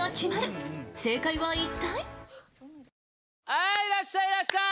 はいいらっしゃいいらっしゃい！